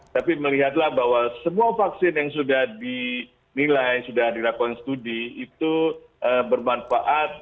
tapi melihatlah bahwa semua vaksin yang sudah dinilai sudah dilakukan studi itu bermanfaat